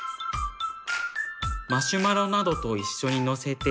マシュマロなどと一緒にのせて。